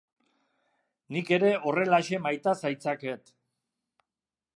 Nik ere horrelaxe maita zaitzaket.